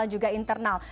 dan juga internal